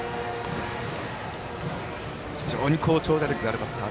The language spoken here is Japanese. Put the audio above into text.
非常に長打力のあるバッター。